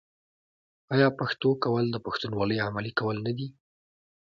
آیا پښتو کول د پښتونولۍ عملي کول نه دي؟